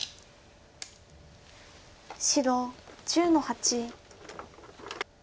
白１０の八。